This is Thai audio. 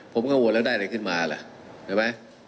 ผมก็ว่าแล้วได้อะไรขึ้นมาล่ะเห็นไหม